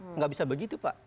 tidak bisa begitu pak